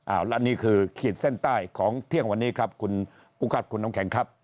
และนี่คือขีดเส้นใต้ของเที่ยงวันนี้คุณปุ๊กฤษคุณน้องแข็งครับ